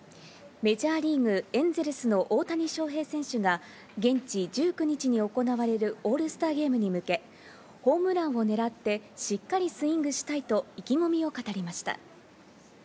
メジャーリーグ・エンゼルスの大谷翔平選手が現地１９日に行われるオールスターゲームに向け、ホームランを狙ってしっかりスイングしたいと意気込みを語りました。